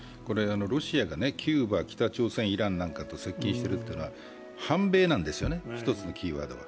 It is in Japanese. ロシアがキューバ、北朝鮮、イランなんかと接近しているというのは反米なんですよね、１つのキーワードは。